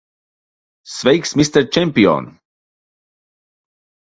Sveiks, mister čempion!